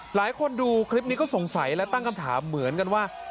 หลายคนดูคลิปนี้ก็สงสัยและตั้งคำถามเหมือนกันว่า